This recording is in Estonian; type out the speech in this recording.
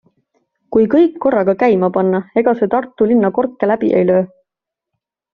Kui kõik korraga käima panna, ega see Tartu linna korke läbi ei löö?